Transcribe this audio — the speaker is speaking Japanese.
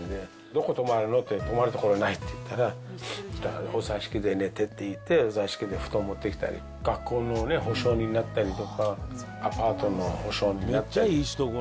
どこ泊まるの？って、泊まる所ないって言ったら、じゃあ、お座敷で寝ていいって言って、お座敷に布団持ってきたり、学校の保証人になったりとか、アパートの保証人になったりとか。